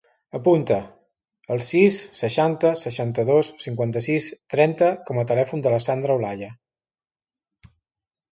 Apunta el sis, seixanta, seixanta-dos, cinquanta-sis, trenta com a telèfon de la Sandra Olalla.